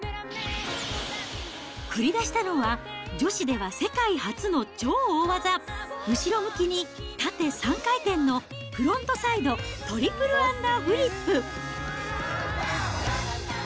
繰り出したのは、女子では世界初の超大技、後ろ向きに縦３回転のフロントサイドトリプルアンダーフリップ。